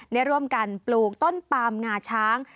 ได้ร่วมกันปลูกต้นปามงาช้าง